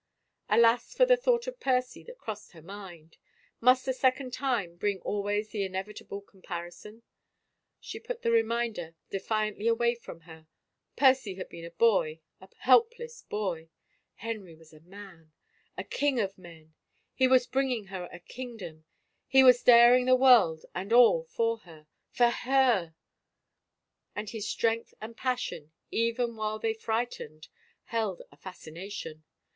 Alas for the thought of Percy that crossed her mind ! Must the second time bring always the inevitable com parison ? She put the reminder defiantly away from her — Percy had been a boy, a helpless boy — Henry was a man, a Icing of men I He was bringing her a kingdom I He was daring the world and all for her — for her ! And his strength and passion, even while they fright ened, held a fascination.